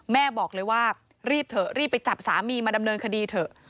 แม่บอกเลยว่ารีบเถอะรีบไปจับสามีมาดำเนินคดีเถอะ